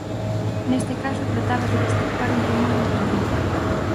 Neste caso tratábase de extirpar un tumor de mandíbula.